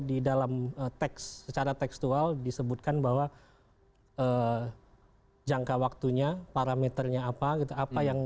di dalam teks secara tekstual disebutkan bahwa jangka waktunya parameternya apa gitu apa yang